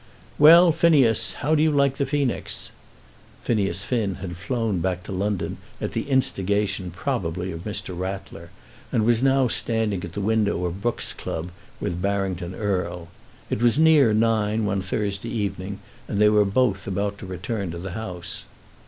"Well, Phineas; how do you like the Phoenix?" Phineas Finn had flown back to London at the instigation probably of Mr. Rattler, and was now standing at the window of Brooks's club with Barrington Erle. It was near nine one Thursday evening, and they were both about to return to the House.